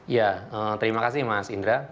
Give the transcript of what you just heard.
ya terima kasih mas indra